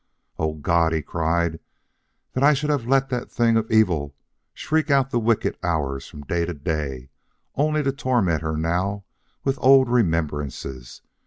"O God!" he cried, "that I should have let that thing of evil shriek out the wicked hours from day to day, only to torment her now with old remembrances!